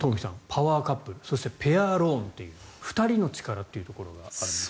パワーカップルそしてペアローンという２人の力というところがあると。